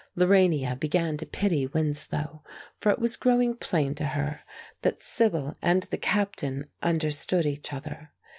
Lorania began to pity Winslow, for it was growing plain to her that Sibyl and the captain understood each other.